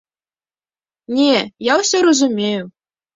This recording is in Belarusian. Не, я ўсё разумею!